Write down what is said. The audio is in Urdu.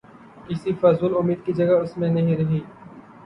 کسی فضول امید کی جگہ اس میں نہیں رہی۔